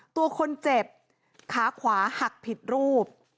ตัวคนเจ็บขาขวาหักผิดรูป